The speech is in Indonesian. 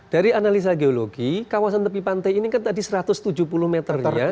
dari analisa geologi kawasan tepi pantai ini kan tadi satu ratus tujuh puluh meter ya